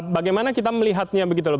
bagaimana kita melihatnya begitu loh